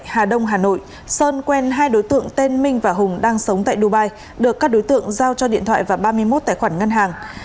hà đông hà nội sơn quen hai đối tượng tên minh và hùng đang sống tại dubai được các đối tượng giao cho điện thoại và ba mươi một tài khoản ngân hàng